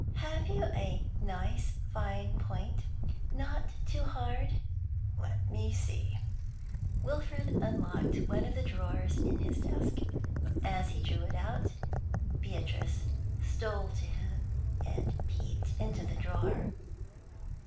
Have you a nice, fine point, not too hard?' 'Let me see.' Wilfrid unlocked one of the drawers in his desk. As he drew it out, Beatrice stole to him, and peeped into the drawer.